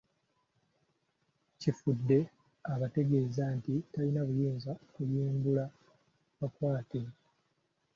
Kifudde abategeeza nti talina buyinza kuyimbula bakwate.